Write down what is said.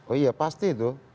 oh iya pasti itu